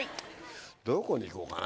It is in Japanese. どこに行こうかね。